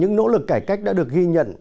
những nỗ lực cải cách đã được ghi nhận